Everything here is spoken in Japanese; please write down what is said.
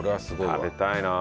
食べたいな。